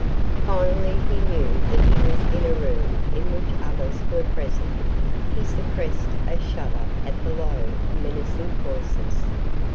Finally he knew that he was in a room in which others were present. He suppressed a shudder at the low, menacing voices.